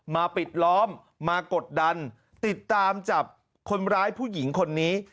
ปิดล้อมมากดดันติดตามจับคนร้ายผู้หญิงคนนี้